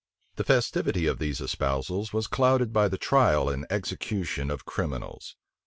154 The festivity of these espousals was clouded by the trial and execution of criminals.